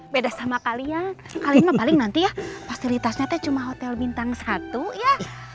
beda sama kalian kalian mah paling nanti ya fasilitasnya teh cuma hotel bintang satu ya